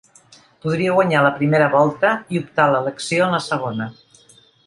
Podria guanyar la primera volta i optar a l’elecció en la segona.